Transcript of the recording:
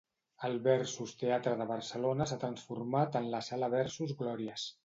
El Versus Teatre de Barcelona s'ha transformat en la sala Versus Glòries.